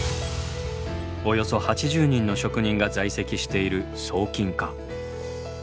およそ８０人の職人が在籍している装金課。